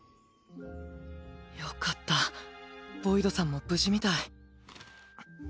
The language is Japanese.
よかったボイドさんも無事みたい。